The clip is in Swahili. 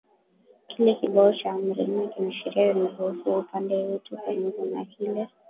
Kile kibao chenye Amri nne kina sheria zinazohusu Upendo wetu kwa Mungu na kile